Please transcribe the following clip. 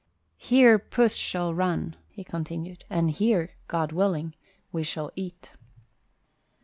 "Here puss shall run," he continued, "and here, God willing, we shall eat."